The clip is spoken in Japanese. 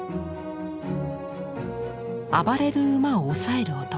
暴れる馬をおさえる男。